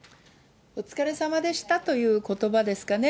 お疲れさまでしたということばですかね。